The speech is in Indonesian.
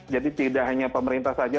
jadi tidak hanya pemerintah saja